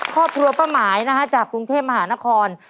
ข้อพลัวประหมายนะครับจากกรุงเทพมหานคร